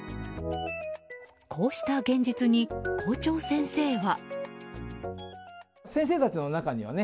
こうした現実に校長先生は。